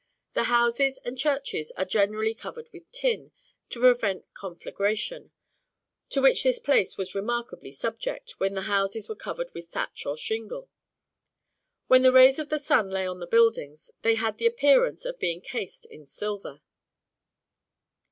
The houses and churches are generally covered with tin, to prevent conflagration, to which this place was remarkably subject when the houses were covered with thatch or shingle. When the rays of the sun lay on the buildings, they had the appearance of being cased in silver.